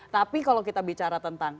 tapi kalau kita bicara tentang